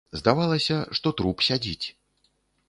Здавалася, што труп сядзіць.